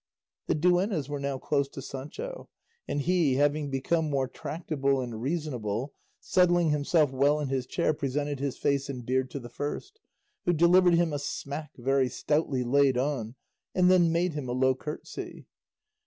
The duennas were now close to Sancho, and he, having become more tractable and reasonable, settling himself well in his chair presented his face and beard to the first, who delivered him a smack very stoutly laid on, and then made him a low curtsey.